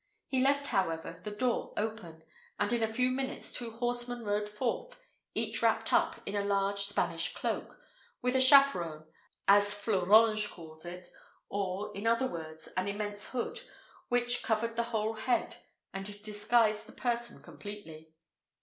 He left, however, the door open, and in a few minutes two horsemen rode forth, each wrapped up in a large Spanish cloak, with a chaperon, at Fleurange calls it, or, in other words, an immense hood, which covered the whole head and disguised the person completely.